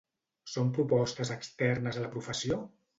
Són propostes externes a la professió?